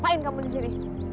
apaan kamu di sini